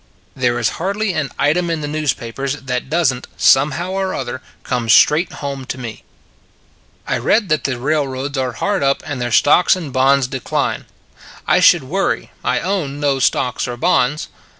There is hardly an item in the newspa pers that doesn t, somehow or other, come straight home to me. I read that the railroads are hard up and their stocks and bonds decline. I should worry: I own no stocks or bonds.